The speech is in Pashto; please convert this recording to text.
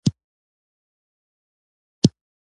په زړه مې ویل چې د اوړي شنې کروندې څومره زړه راښکونکي وي.